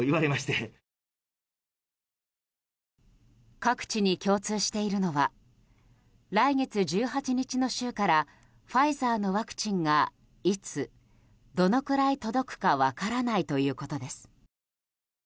各地に共通しているのは来月１８日の週からファイザーのワクチンがいつ、どのくらい届くか分からないということです。